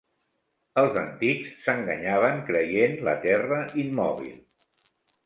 Els antics s'enganyaven creient la Terra immòbil.